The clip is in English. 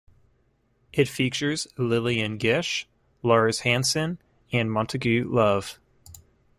It features Lillian Gish, Lars Hanson and Montagu Love.